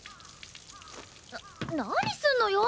な何すんのよ！？